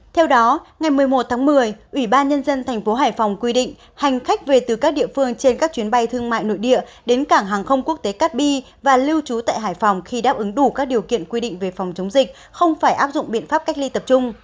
theo đó ngày một mươi một tháng một mươi ủy ban nhân dân tp hải phòng quy định hành khách về từ các địa phương trên các chuyến bay thương mại nội địa đến cảng hàng không quốc tế cát bi và lưu trú tại hải phòng khi đáp ứng đủ các điều kiện quy định về phòng chống dịch không phải áp dụng biện pháp cách ly tập trung